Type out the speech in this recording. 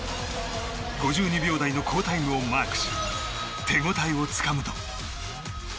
５２秒台の好タイムをマークし手応えをつかむと。